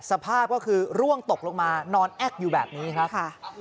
สภาพก็คือร่วงตกลงมานอนแอ๊กอยู่แบบนี้ครับค่ะ